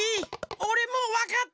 おれもうわかった！